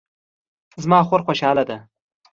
زما خور خوشحاله ده